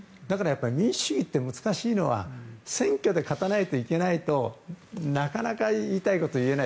民主主義の難しいのは選挙で勝たないといけないとなかなか言いたいことを言えない。